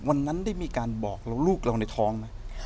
วันนั้นได้มีการบอกลูกเราในท้องไหม